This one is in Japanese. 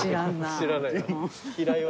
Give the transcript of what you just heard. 知らないわ。